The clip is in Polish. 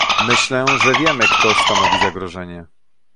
Myślę, że wiemy, kto stanowi zagrożenie